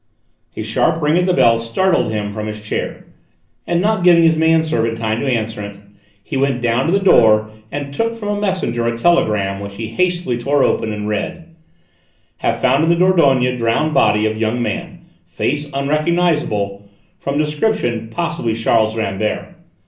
A sharp ring at the bell startled him from his chair, and not giving his man servant time to answer it, he went himself to the door and took from a messenger a telegram which he hastily tore open and read: "Have found in the Dordogne drowned body of young man, face unrecognisable, from description possibly Charles Rambert.